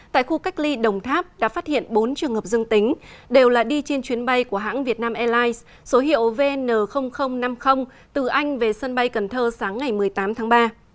tại khu cách ly đồng tháp đã phát hiện bốn trường hợp dương tính đều là đi trên chuyến bay của hãng vietnam airlines số hiệu vn năm mươi từ anh về sân bay cần thơ sáng ngày một mươi tám tháng ba